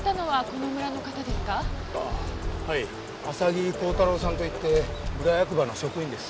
浅木浩太郎さんといって村役場の職員です。